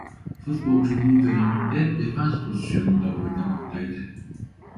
Futbolculuğu döneminde defans pozisyonunda oynamaktaydı.